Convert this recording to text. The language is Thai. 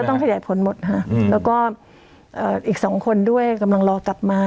ต้องขยายผลหมดค่ะแล้วก็อีกสองคนด้วยกำลังรอกลับมา